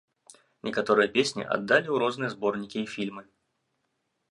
Некаторыя песні аддалі ў розныя зборнікі і фільмы.